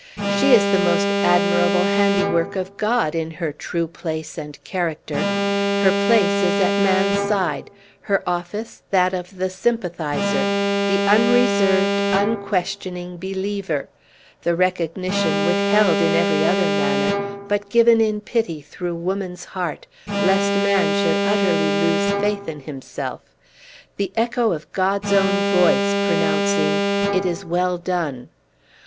"She is the most admirable handiwork of God, in her true place and character. Her place is at man's side. Her office, that of the sympathizer; the unreserved, unquestioning believer; the recognition, withheld in every other manner, but given, in pity, through woman's heart, lest man should utterly lose faith in himself; the echo of God's own voice, pronouncing, 'It is well done!'